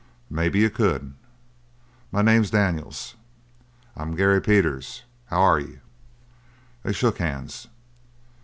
"Maybe you could." "My name's Daniels." "I'm Gary Peters. H'ware you?" They shook hands.